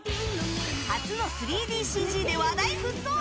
初の３ＤＣＧで話題沸騰！